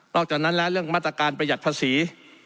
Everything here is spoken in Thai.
อกจากนั้นแล้วเรื่องมาตรการประหยัดภาษี